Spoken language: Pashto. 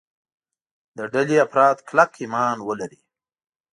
د ډلې افراد کلک ایمان ولري.